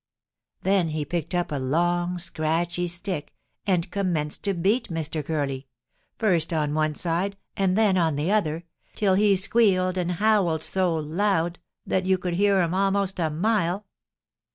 Then he picked up a long, scratchy stick and commenced to beat Mr. Curly, first on one side and then on the other, till he squealed and howled so loud that you could hear him almost a mile.